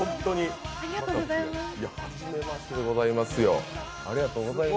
はじめましてでございますよ。